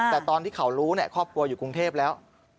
แต่ตอนที่เขารู้ครอบครัวอยู่กรุงเทพแล้ว